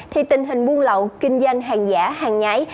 thì tình hình buôn lậu kinh doanh hàng giả hàng nhái